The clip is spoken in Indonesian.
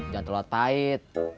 jangan terlalu tait